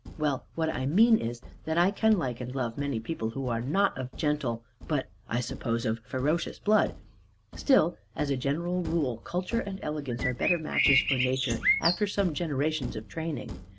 Well, what I mean is, that I can like and love many people who are not of gentle, but (I suppose) of ferocious blood; still, as a general rule, culture and elegance are better matches for nature, after some generations of training.